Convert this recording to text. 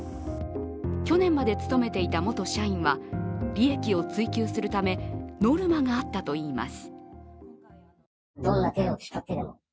去年まで勤めていた元社員は利益を追求するためノルマがあったといいます。